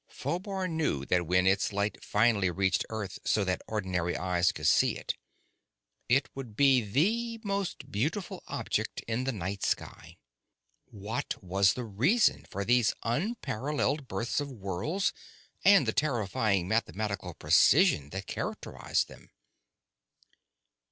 Phobar knew that when its light finally reached Earth so that ordinary eyes could see, it would be the most beautiful object in the night sky. What was the reason for these unparalleled births of worlds and the terrifying mathematical precision that characterized them?